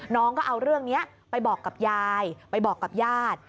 น้องก็เอาเรื่องนี้ไปบอกกับยายไปบอกกับญาติ